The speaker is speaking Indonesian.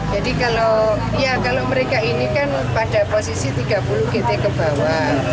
jadi kalau mereka ini kan pada posisi tiga puluh gt ke bawah